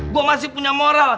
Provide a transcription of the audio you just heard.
gue masih punya moral